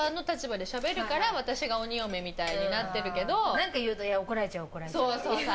何か言うと怒られちゃう、怒られちゃうって。